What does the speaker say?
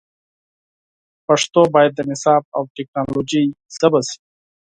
پښتو باید د نصاب او ټکنالوژۍ ژبه سي